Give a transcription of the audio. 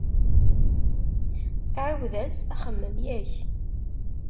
Ɛiwed-as axemmem, yak?